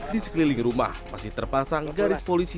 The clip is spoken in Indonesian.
di sekeliling rumah masih terpasang garis polisi